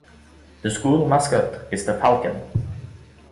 The school mascot is the Falcon.